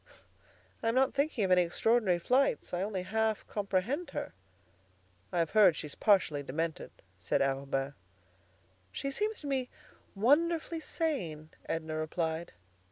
"I'm not thinking of any extraordinary flights. I only half comprehend her." "I've heard she's partially demented," said Arobin. "She seems to me wonderfully sane," Edna replied.